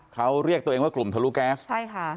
เขาเรียกตัวเองว่ากลุ่มทะลุแก๊สใช่ค่ะ